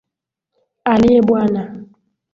Aliye Bwana.